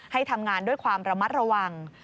ให้ทำงานด้วยความระมัดระวัง